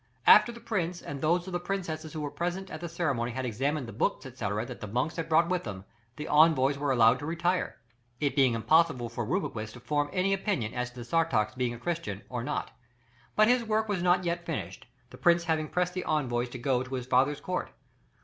After the prince and those of the princesses who were present at the ceremony had examined the books, &c., that the monks had brought with them, the envoys were allowed to retire; it being impossible for Rubruquis to form any opinion as to Sartach's being a Christian, or not; but his work was not yet finished, the prince having pressed the envoys to go to his father's court.